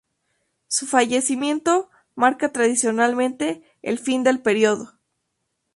Su fallecimiento marca tradicionalmente el fin del periodo.